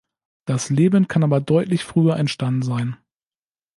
Das Leben kann aber deutlich früher entstanden sein.